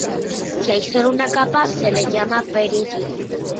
Si hay solo una capa, se le llama peridio.